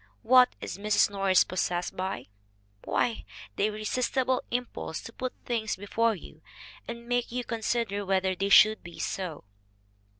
What is Mrs. Norris possessed by? Why, the irresistible impulse to put things before you and make you con sider whether they should be so.